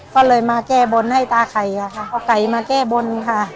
ก็เลยมาแก้บนให้ตาไข่ค่ะเอาไก่มาแก้บนค่ะ